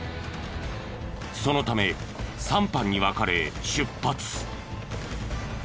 そのため３班に分かれ出発。